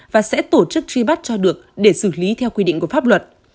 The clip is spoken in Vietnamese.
và sẽ tổ chức truy bắt cho được để xử lý theo quy định của pháp luật